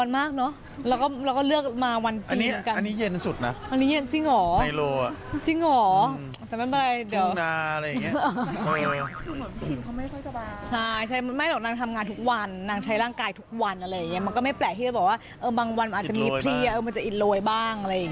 มันก็ไม่แปลกบอกว่าบางวันมันมีพรี่จะอิดโหลยบ้าง